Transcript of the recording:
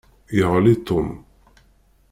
Yeɣli Tom.